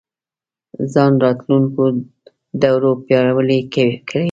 ځان راتلونکو دورو پیاوړی کړي